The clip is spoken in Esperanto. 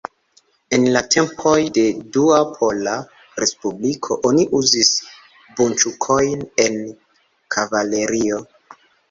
En la tempoj de Dua Pola Respubliko oni uzis bunĉukojn en kavalerio.